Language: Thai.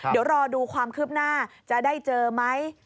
เดี๋ยวรอดูความคืบหน้าจะได้เจอไหม